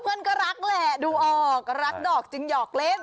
เพื่อนก็รักแหละดูออกรักดอกจึงหยอกเล่น